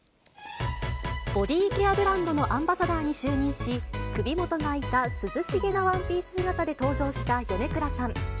ボディーケアブランドのアンバサダーに就任し、首元が開いた涼しげなワンピース姿で登場した米倉さん。